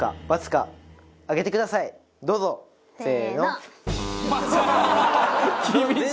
どうぞ！せーの。